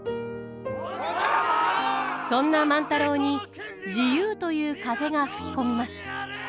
そんな万太郎に自由という風が吹き込みます。